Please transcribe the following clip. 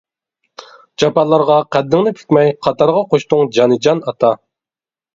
جاپالارغا قەددىڭنى پۈكمەي، قاتارغا قوشتۇڭ جانىجان ئاتا.